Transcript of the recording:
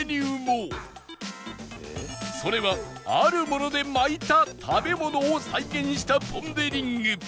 それはあるもので巻いた食べ物を再現したポン・デ・リング